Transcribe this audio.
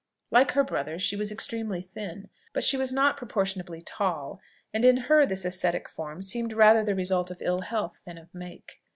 Like her brother she was extremely thin; but she was not proportionably tall, and in her this ascetic form seemed rather the result of ill health than of make.